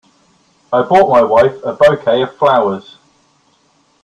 I bought my wife a Bouquet of flowers.